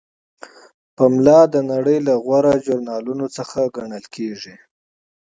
پملا د نړۍ له غوره ژورنالونو څخه ګڼل کیږي.